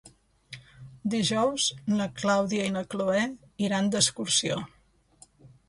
Dijous na Clàudia i na Cloè iran d'excursió.